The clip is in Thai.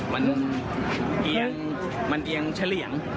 เมื่อเมื่อเมื่อ